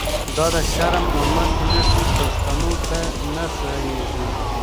دا د شرم او ماتی نښی، پښتنو ته نه ښا ييږی